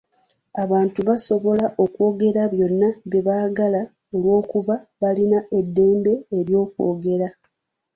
Abantu basobola okwogera byonna bye baagala olw'okuba balina eddembe ly'okwogera.